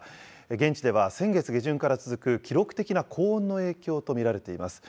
現地では先月下旬から続く記録的な高温の影響と見られています。